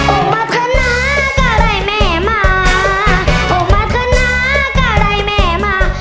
โอ้มาธนาก็ได้แม่มาโอ้มาธนาก็ได้แม่มา